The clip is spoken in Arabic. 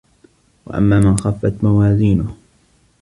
وَأَمّا مَن خَفَّت مَوازينُهُ